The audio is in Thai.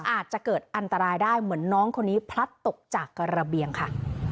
อาจจะเกิดอันตรายได้เหมือนน้องคนนี้พลัดตกจากกระเบียงค่ะ